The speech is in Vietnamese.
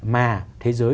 mà thế giới